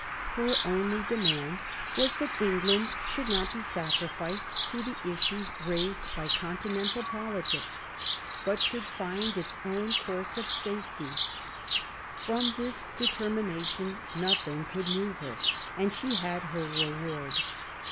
Her only demand was that Eng land should not be sacrificed to the issues raised by Continental politics, but should find its own course of safety. From this determination nothing could move her, and she had her reward.